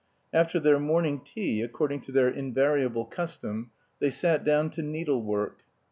After their morning tea, according to their invariable custom, they sat down to needlework.